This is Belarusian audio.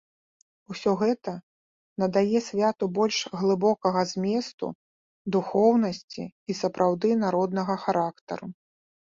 Усё гэта надае святу больш глыбокага зместу, духоўнасці і сапраўды народнага характару.